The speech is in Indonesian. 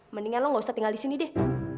mendingan lo gak usah tinggal di sini deh